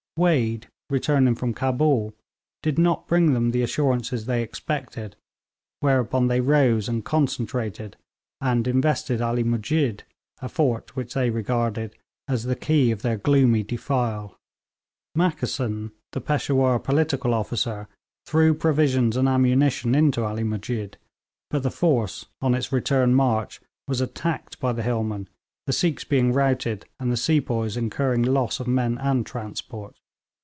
Wade, returning from Cabul, did not bring them the assurances they expected, whereupon they rose and concentrated and invested Ali Musjid, a fort which they regarded as the key of their gloomy defile. Mackeson, the Peshawur political officer, threw provisions and ammunition into Ali Musjid, but the force, on its return march, was attacked by the hillmen, the Sikhs being routed, and the sepoys incurring loss of men and transport.